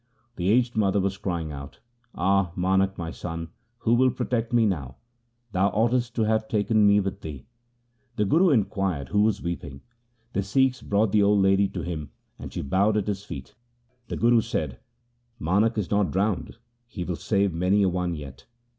The aged mother was crying out, ' Ah ! Manak my son, who will protect me now ? Thou oughtest to have taken me with thee.' The Guru inquired who was weeping. The Sikhs brought the old lady to him, and she bowed at his feet. The Guru said, ' Manak is not drowned, he will save many a one yet.